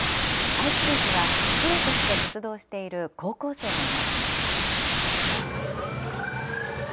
愛知県には、プロとして活動している高校生がいます。